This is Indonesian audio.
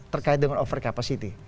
terkait dengan overcapacity